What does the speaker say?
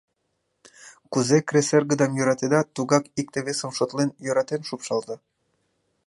Кузе кресэргыдам йӧратеда, тугак, икте-весым шотлен, йӧратен шупшалза.